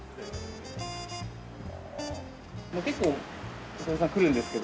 結構お客さん来るんですけど。